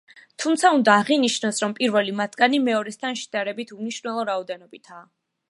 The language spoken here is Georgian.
თუმცა უნდა აღინიშნოს, რომ პირველი მათგანი მეორესთან შედარებით უმნიშვნელო რაოდენობითაა.